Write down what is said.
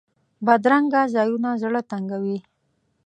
بدرنګه ځایونه زړه تنګوي